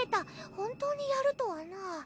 本当にやるとはなぁ。